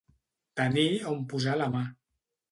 Tenir on posar la mà.